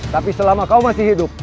tapi selama kau masih hidup